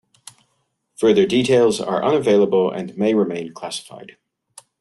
Further details are unavailable and may remain classified.